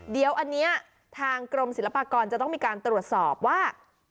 เดี๋ยวอันนี้ทางกรมศิลปากรจะต้องมีการตรวจสอบว่า